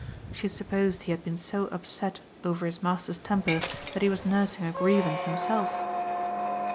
She supposed he had been so upset over his master's temper that he was nursing a grievance himself.